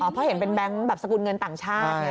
เพราะเห็นเป็นแบงค์แบบสกุลเงินต่างชาติไง